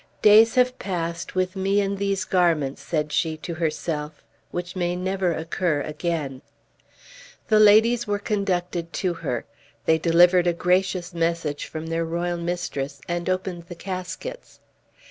"Days have passed with me in these garments," said she to herself, "which may never occur again!" The laddies were conducted to her. They delivered a gracious message from their royal mistress, and opened the caskets.